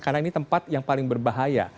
karena ini tempat yang paling berbahaya